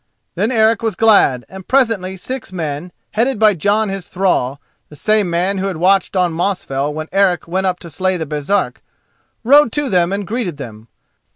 Then Eric was glad, and presently six men, headed by Jon his thrall, the same man who had watched on Mosfell when Eric went up to slay the Baresark, rode to them and greeted them.